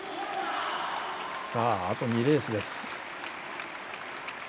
あと２レースです。